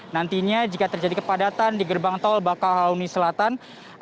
nantinya jika terjadi kepadatan di gerbang tol bakahuni selatan